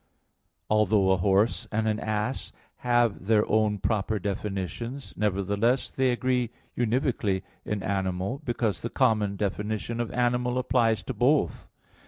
Although a horse and an ass have their own proper definitions, nevertheless they agree univocally in animal, because the common definition of animal applies to both.